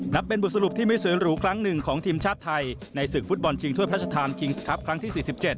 นับเป็นบทสรุปที่ไม่สวยหรูครั้งหนึ่งของทีมชาติไทยในศึกฟุตบอลชิงถ้วยพระราชทานคิงส์ครับครั้งที่๔๗